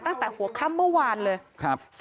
ตั้งแต่หัวค่ำเมื่อวานเลย